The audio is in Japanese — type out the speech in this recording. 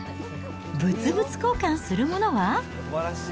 物々交換するものは？